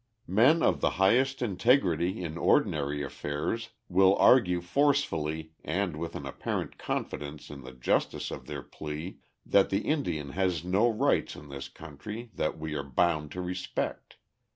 Men of the highest integrity in ordinary affairs will argue forcefully and with an apparent confidence in the justice of their plea that the Indian has no rights in this country that we are bound to respect.